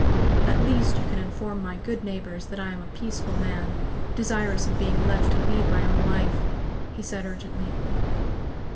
"At least you can inform my good neighbours that I am a peaceful man, desirous of being left to lead my own life," he said urgently.